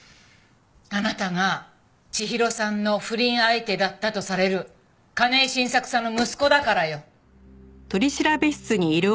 あなたが千尋さんの不倫相手だったとされる金井晋作さんの息子だからよ。